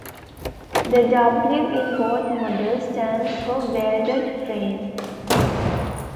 The "W" in both models stands for welded frame.